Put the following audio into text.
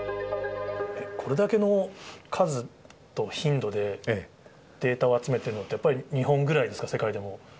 これだけの数と頻度でデータを集めているのって、やっぱり日本ぐらいですか？